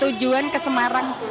tujuan ke semarang